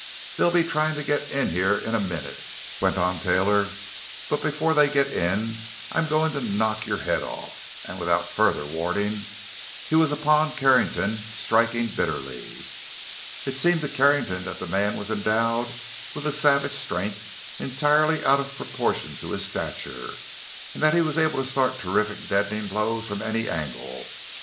"They'll be trying to get in here in a minute," went on Taylor. "But before they get in I'm going to knock your head off!" And without further warning he was upon Carrington, striking bitterly. It seemed to Carrington that the man was endowed with a savage strength entirely out of proportion to his stature, and that he was able to start terrific, deadening blows from any angle.